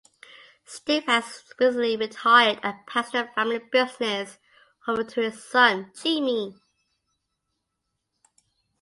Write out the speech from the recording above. Steve has recently retired and passed the family business over to his son Jimmy.